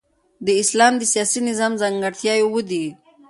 د اسلام د سیاسي نظام ځانګړتیاوي اووه دي.